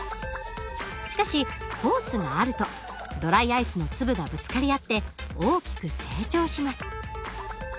しかしホースがあるとドライアイスの粒がぶつかり合って大きく成長します。